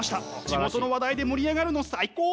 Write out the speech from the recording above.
地元の話題で盛り上がるの最高！